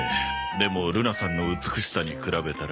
でもルナさんの美しさに比べたら。